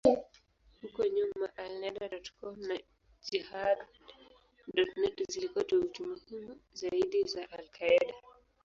Huko nyuma, Alneda.com na Jehad.net zilikuwa tovuti muhimu zaidi za al-Qaeda.